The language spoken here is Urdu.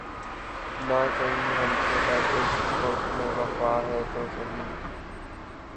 نہ سہی ہم سے‘ پر اس بت میں وفا ہے تو سہی